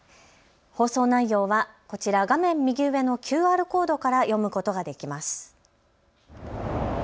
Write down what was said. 放送内容はこちら、画面右上のＱＲコードから読むことができます。